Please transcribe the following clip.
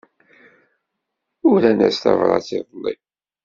Uran-as tabrat iḍelli.